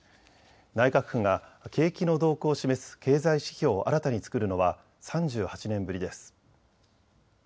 内閣府が景気の動向を示す経済指標を新たに作るのは３８年ぶりです。